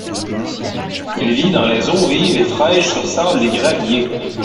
Il vit dans les eaux vives et fraiches sur sables et graviers.